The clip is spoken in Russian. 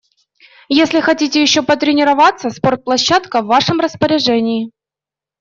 Если хотите ещё потренироваться, спортплощадка в вашем распоряжении.